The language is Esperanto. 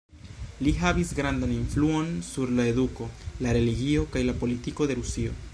Li havis grandan influon sur la eduko, la religio kaj la politiko de Rusio.